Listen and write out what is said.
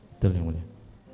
betul yang mulia